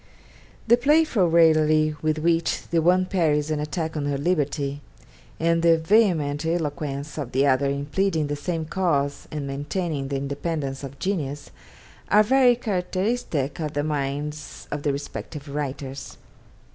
The playful raillery with which the one parries an attack on her liberty, and the vehement eloquence of the other in pleading the same cause and maintaining the independence of genius, are very characteristic of the minds of the respective writers.